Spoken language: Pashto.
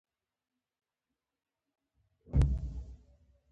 څلورم پروګرام انفرادي پروګرام دی.